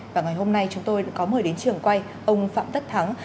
và ngày hôm nay chúng tôi có mời đến trường quay ông phạm tất thắng